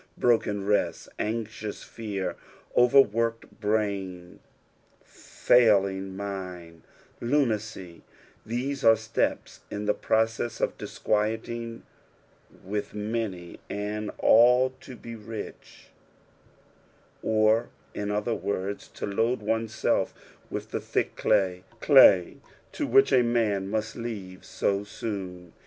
Broken rest, anxious fear, over worked brain, failing mind, lunacy, these arc steps in the process of discjuieting with many, and all to be rich, or, in other words, to load one's self with the thick clay ; clay, too, which a man must leave so eoon.